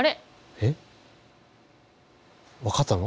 えっ分かったの？